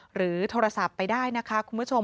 หรือโทรศัพท์ไปได้นะคะคุณผู้ชม